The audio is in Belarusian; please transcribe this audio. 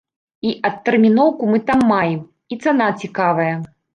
І адтэрміноўку мы там маем, і цана цікавая.